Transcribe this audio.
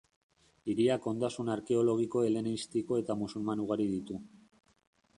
Hiriak ondasun arkeologiko helenistiko eta musulman ugari ditu.